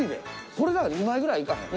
これなら２枚ぐらいいかへん？